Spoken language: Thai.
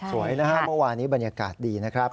สวยนะฮะเมื่อวานนี้บรรยากาศดีนะครับ